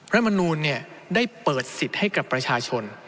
รัฐมนูลได้เปิดสิทธิ์ให้กับประชาชน